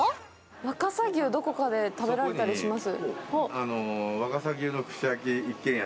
若狭牛、どこかで食べられたりします？